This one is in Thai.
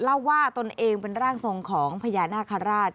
เล่าว่าตนเองเป็นร่างทรงของพญานาคาราช